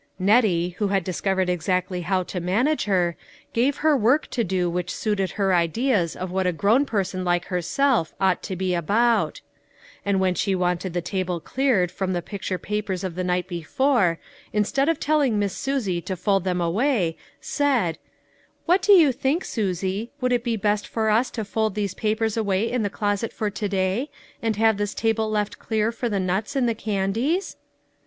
Nettie, who had discovered exactly how to manage her, gave her work to do which suited her ideas of what a grown person like herself ought to be about; and when she wanted the table cleared from the picture papers of the night before, instead of telling Miss Susie to fold them away, said, " What do you think, Susie, would it be best for us to fold these papers away in the closet for to day, and have this table left clear for the nuts and the candies?